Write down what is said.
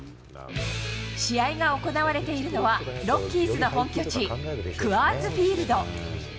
試合が行われているのは、ロッキーズの本拠地、クアーズ・フィールド。